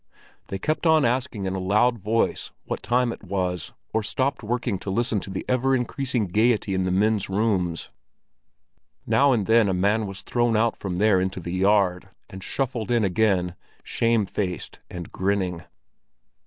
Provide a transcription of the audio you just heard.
They kept on asking in a loud voice what the time was, or stopped working to listen to the ever increasing gaiety in the men's rooms. Now and then a man was thrown out from there into the yard, and shuffled in again, shamefaced and grinning.